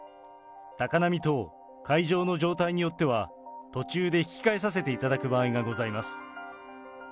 高波等、海上の状態によっては、途中で引き返させていただく場合がござい